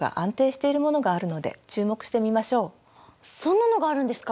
そんなのがあるんですか？